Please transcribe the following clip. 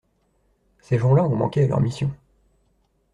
Ces gens-là ont manqué à leur mission.